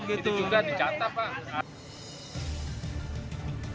itu juga dicatat pak